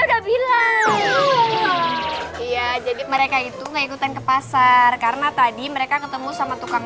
udah bilang iya jadi mereka itu ngikutan ke pasar karena tadi mereka ketemu sama tukang